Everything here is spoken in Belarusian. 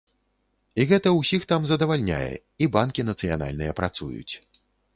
І гэта ўсіх там задавальняе, і банкі нацыянальныя працуюць.